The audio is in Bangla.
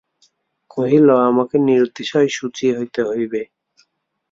কহিল, আমাকে নিরতিশয় শুচি হইতে হইবে।